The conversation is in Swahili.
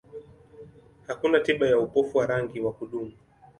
Hakuna tiba ya upofu wa rangi wa kudumu.